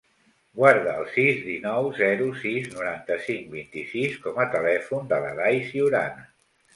Guarda el sis, dinou, zero, sis, noranta-cinc, vint-i-sis com a telèfon de l'Aday Ciurana.